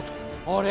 あれ？